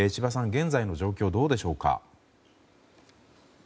現在の状況どうでしょうか。